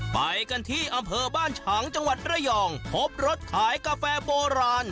ไปกันที่อำเภอบ้านฉางจังหวัดระยองพบรถขายกาแฟโบราณ